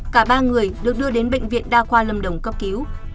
cả ba người được đưa đến bệnh viện đa khoa lâm đồng cấp cứu